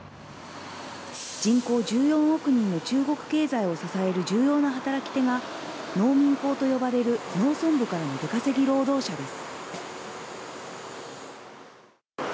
人口１４億人の中国経済を支える重要な働き手が、農民工と呼ばれる農村部からの出稼ぎ労働者です。